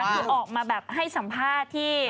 ที่ออกมาแบบให้สัมภาษณ์ที่